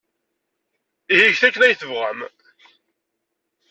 Ihi get akken ay tebɣam.